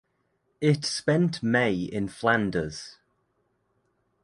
It spent May in Flanders.